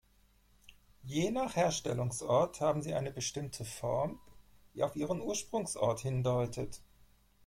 Je nach Herstellungsort haben sie eine bestimmte Form, die auf ihren Ursprungsort hindeutet.